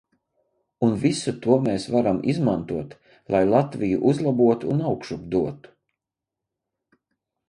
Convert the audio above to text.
Un visu to mēs varam izmantot, lai Latviju uzlabotu un augšup dotu.